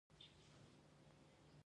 جګړه د اقتصاد ستر دښمن دی.